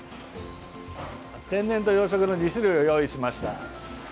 天然と養殖の２種類を用意しました。